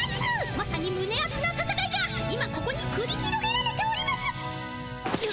まさにむねあつなたたかいが今ここにくり広げられております！